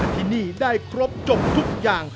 ที่นี่ได้ครบจบทุกอย่าง